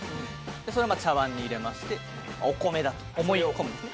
それは茶わんに入れましてお米だと思い込むんです